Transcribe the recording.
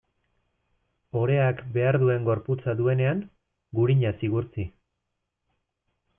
Oreak behar duen gorputza duenean, gurinaz igurtzi.